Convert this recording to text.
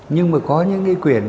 nhưng mà có những cái quyển